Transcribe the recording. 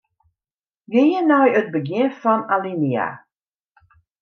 Gean nei it begjin fan alinea.